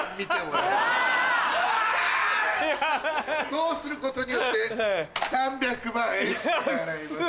そうすることによって３００万円支払います。